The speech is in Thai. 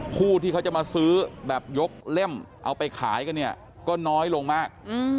ผู้ที่เขาจะมาซื้อแบบยกเล่มเอาไปขายกันเนี่ยก็น้อยลงมาก